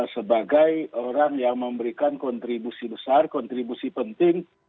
sebagai orang yang memberikan kontribusi besar kontribusi penting